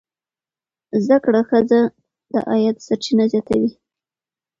زده کړه ښځه د عاید سرچینې زیاتوي.